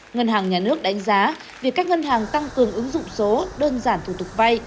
ngân hàng nhà nước đánh giá việc các ngân hàng tăng cường ứng dụng số đơn giản thủ tục vay